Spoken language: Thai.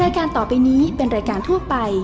รายการต่อไปนี้เป็นรายการทั่วไป